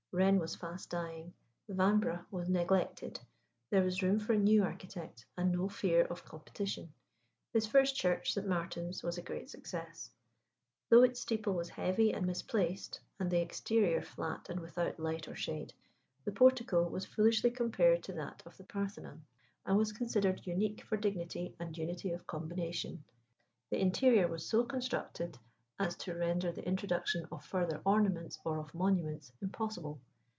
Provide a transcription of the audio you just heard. Wren was fast dying; Vanbrugh was neglected; there was room for a new architect, and no fear of competition. His first church, St. Martin's, was a great success. Though its steeple was heavy and misplaced, and the exterior flat and without light or shade, the portico was foolishly compared to that of the Parthenon, and was considered unique for dignity and unity of combination. The interior was so constructed as to render the introduction of further ornaments or of monuments impossible.